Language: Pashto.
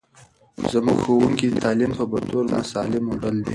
زموږ ښوونکې د تعلیم په بطور مثالي موډل دی.